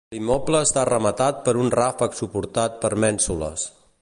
L'immoble està rematat per un ràfec suportat per mènsules.